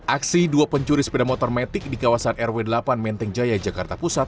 aksi dua pencuri sepeda motor metik di kawasan rw delapan menteng jaya jakarta pusat